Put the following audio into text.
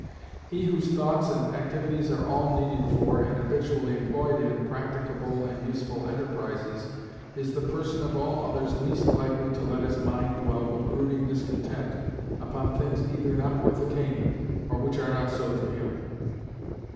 He whose thoughts and activities are all needed for, and habitually employed in, practicable and useful enterprises, is the person of all others least likely to let his mind dwell with brooding discontent upon things either not worth attaining, or which are not so to him.